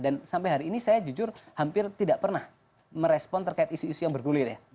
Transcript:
dan sampai hari ini saya jujur hampir tidak pernah merespon terkait isu isu yang bergulir ya